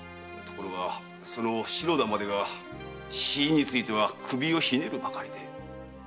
ところが篠田までが死因について首をひねるばかりで。